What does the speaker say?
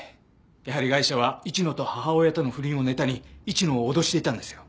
やはりガイシャは市野と母親との不倫をネタに市野を脅していたんですよ。